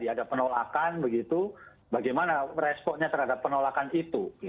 ada penolakanan bagaimana responnya terhadap penolakan itu